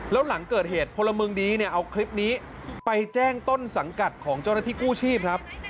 แล้วหลังเกิดเหตุพลเมืองดีเนี่ยเอาคลิปนี้ไปแจ้งต้นสังกัดของเจ้าหน้าที่กู้ชีพครับ